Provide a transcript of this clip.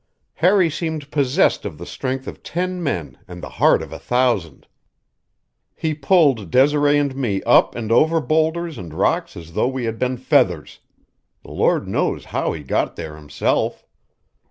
Harry seemed possessed of the strength of ten men and the heart of a thousand. He pulled Desiree and me up and over boulders and rocks as though we had been feathers; the Lord knows how he got there himself!